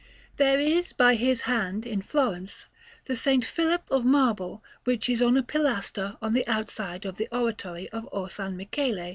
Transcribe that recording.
There is by his hand, in Florence, the S. Philip of marble which is on a pilaster on the outside of the Oratory of Orsanmichele.